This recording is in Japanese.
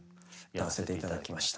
歌わせていただました。